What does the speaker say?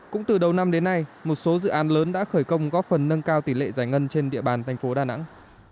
cũng từ đầu năm đến nay một số dự án lớn đã khởi công góp phần nâng cao tỷ lệ giải ngân trên địa bàn thành phố đà nẵng